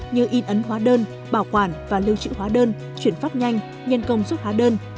như in ấn hóa đơn bảo quản và lưu trữ hóa đơn chuyển phát nhanh nhân công xuất hóa đơn